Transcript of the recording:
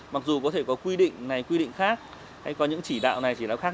mặc dù có thể có quy định này quy định khác hay có những chỉ đạo này chỉ nào khác